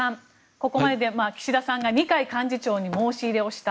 ここまでで岸田さんが二階幹事長に申し入れをした。